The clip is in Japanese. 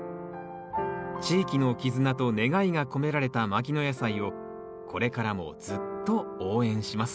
地域の絆と願いが込められた牧野野菜をこれからもずっと応援します